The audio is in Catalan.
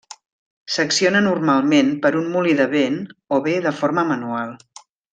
S'acciona normalment per un molí de vent o bé de forma manual.